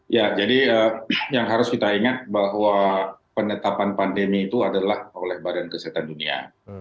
ya jadi yang harus kita ingat bahwa penetapan pandemi itu adalah oleh badan kesehatan dunia